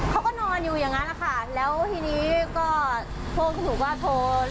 เขาก็นอนอยู่อย่างนั้นแหละค่ะแล้วทีนี้ก็โทรขึ้นหนูก็โทร